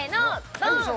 ドン！